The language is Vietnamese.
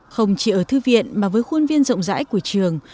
không chỉ ở thư viện mà với khuôn viên rộng rãi của trường